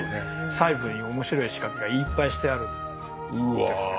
細部に面白い仕掛けがいっぱいしてあるんですね。